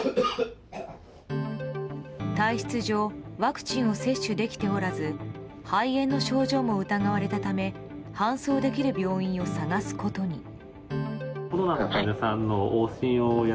体質上ワクチンを接種できておらず肺炎の症状も疑われたため搬送できる病院を探すことに。